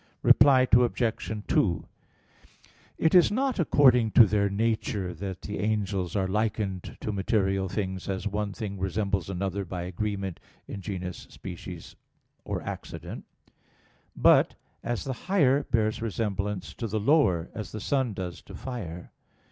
Reply Obj. 2: It is not according to their nature that the angels are likened to material things, as one thing resembles another by agreement in genus, species, or accident; but as the higher bears resemblance to the lower, as the sun does to fire.